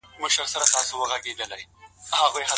رسول الله به د ماخستن له لمانځه وروسته څه کول؟